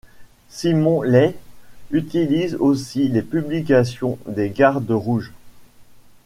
Simon Leys utilise aussi les publications des Gardes rouges.